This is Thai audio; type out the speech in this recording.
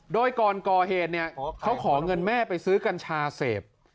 โดยก่อนก่อเหตุเนี่ยเขาขอเงินแม่ไปซื้อกัญชาเสพ